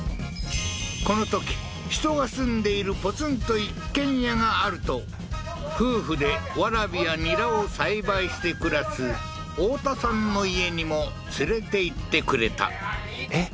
このとき人が住んでいるポツンと一軒家があると夫婦でワラビやニラを栽培して暮らす太田さんの家にも連れていってくれたえっ